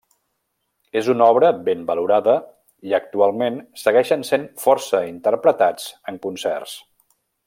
És una obra ben valorada i actualment segueixen sent força interpretats en concerts.